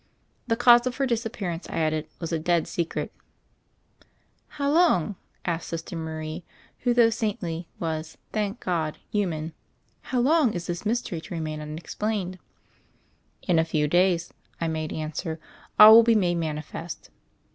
The cause of her disappearance, I added, was a dead secret. "How long," asked Sister Marie, who, though saintly, was, thank God, human, "how long is this mystery to remain unexplained?" "In a few days, I made answer, "all will be made manifest."